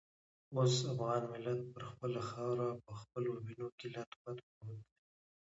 اوس افغان ملت پر خپله خاوره په خپلو وینو کې لت پت پروت دی.